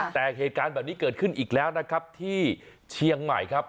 แต่เหตุการณ์แบบนี้เกิดขึ้นอีกแล้วนะครับที่เชียงใหม่ครับ